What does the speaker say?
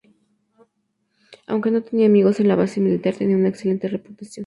Aunque no tenía amigos en la base militar, tenía una excelente reputación.